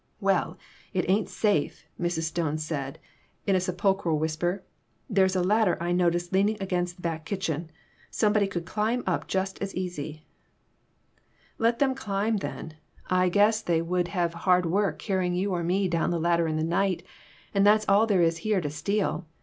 "Well, it ain't safe," Mrs. Stone said, in a sepulchral whisper. " There's a ladder I noticed leaning against the back kitchen. Somebody could climb up just as easy." " Let them climb, then. I guess they would PERTURBATIONS. /I have hard work carrying you or me down a ladder in the night, and that's all there is here to steal.